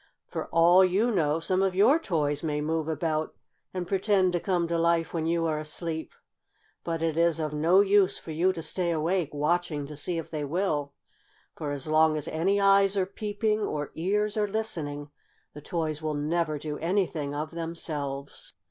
For all you know some of your toys may move about and pretend to come to life when you are asleep. But it is of no use for you to stay awake, watching to see if they will, for as long as any eyes are peeping, or ears are listening, the toys will never do anything of themselves.